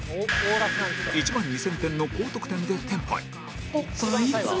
１万２０００点の高得点でテンパイ